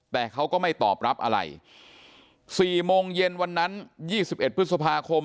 แต่เขาก็ไม่ตอบรับอะไร๔โมงเย็นวันนั้น๒๑พฤษภาคม